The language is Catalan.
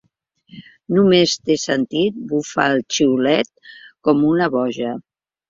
Només t'he sentit bufar el xiulet com una boja.